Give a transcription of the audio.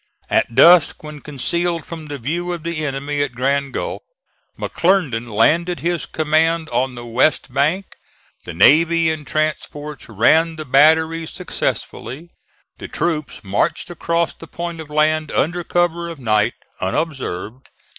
At dusk, when concealed from the view of the enemy at Grand Gulf, McClernand landed his command on the west bank. The navy and transports ran the batteries successfully. The troops marched across the point of land under cover of night, unobserved.